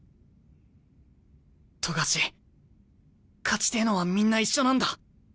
勝ちてえのはみんな一緒なんだ。